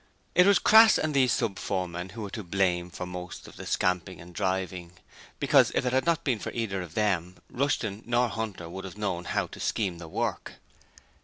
It was Crass and these sub foremen who were to blame for most of the scamping and driving, because if it had not been for them neither Rushton nor Hunter would have known how to scheme the work.